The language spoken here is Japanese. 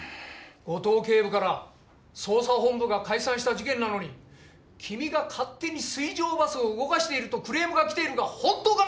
五島警部から捜査本部が解散した事件なのに君が勝手に水上バスを動かしているとクレームが来ているが本当かね？